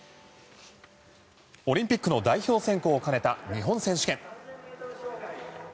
オリンピックの代表選考を兼ねた日本選手権。